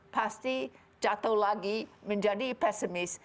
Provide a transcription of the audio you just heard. pasti jatuh lagi menjadi pesimis